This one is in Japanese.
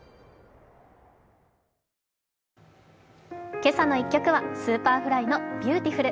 今朝の１曲はＳｕｐｅｒｆｌｙの「Ｂｅａｕｔｉｆｕｌ」